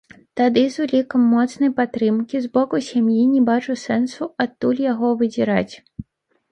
Тады з улікам моцнай падтрымкі з боку сям'і, не бачу сэнсу адтуль яго выдзіраць.